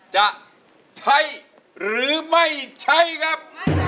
จะใช้หรือไม่ใช้ครับ